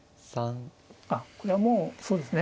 あっこれはもうそうですね